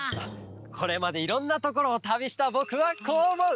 これまでいろんなところをたびしたぼくはこうおもう！